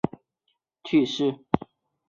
耶律铎轸在官任上去世。